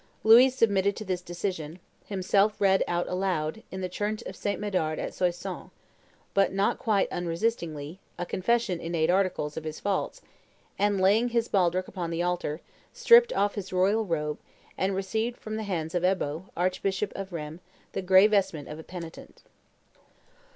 Louis submitted to this decision; himself read out aloud, in the church of St. Medard at Soissons, but not quite unresistingly, a confession, in eight articles, of his faults, and, laying his baldric upon the altar, stripped off his royal robe, and received from the hands of Ebbo, archbishop of Rheims, the gray vestment of a penitent.